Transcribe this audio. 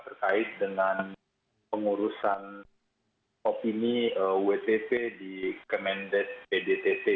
terkait dengan pengurusan opini wtp di kemendes pdtt